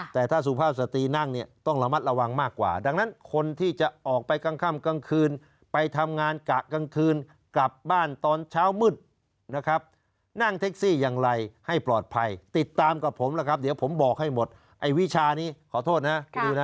แต่ถ้าสุภาพสตรีนั่งเนี่ยต้องระมัดระวังมากกว่าดังนั้นคนที่จะออกไปกลางค่ำกลางคืนไปทำงานกะกลางคืนกลับบ้านตอนเช้ามืดนะครับนั่งเท็กซี่อย่างไรให้ปลอดภัยติดตามกับผมล่ะครับเดี๋ยวผมบอกให้หมดไอ้วิชานี้ขอโทษนะ